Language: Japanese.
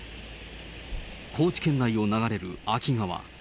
高知県内を流れる安芸川。